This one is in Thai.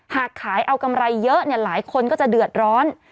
หากขายเอากำไรเยอะหลายคนก็จะเดือดร้อน